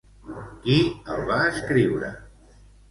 Qui el va escriure?